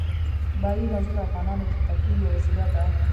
بادي انرژي د افغانانو د تفریح یوه وسیله ده.